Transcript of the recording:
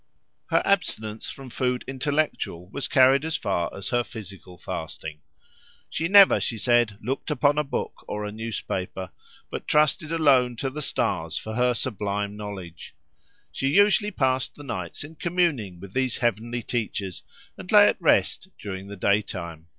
Her abstinence from food intellectual was carried as far as her physical fasting. She never, she said, looked upon a book or a newspaper, but trusted alone to the stars for her sublime knowledge; she usually passed the nights in communing with these heavenly teachers, and lay at rest during the daytime.